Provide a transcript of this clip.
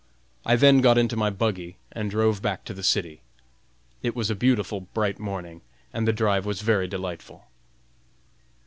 I then got into my buggy and drove back to the city. It was a beautiful, bright morning, and the drive was very delightful.